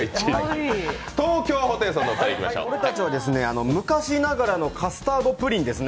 俺たちは昔ながらのカスタードプリンですね。